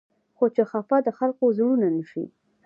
خو چې خفه د خلقو زړونه نه شي